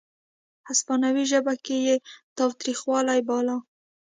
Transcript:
هسپانوي ژبه کې یې تاوتریخوالی باله.